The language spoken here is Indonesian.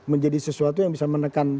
menjadi sesuatu yang bisa menekan